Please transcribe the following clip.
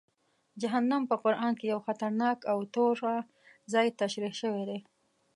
جهنم په قرآن کې یو خطرناک او توره ځای تشریح شوی دی.